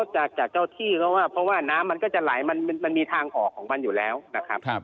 จากเจ้าที่เขาว่าเพราะว่าน้ำมันก็จะไหลมันมีทางออกของมันอยู่แล้วนะครับ